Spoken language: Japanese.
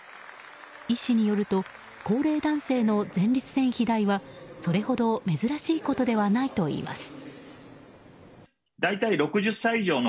医師によると高齢男性の前立腺肥大はそれほど珍しいことではないといいます。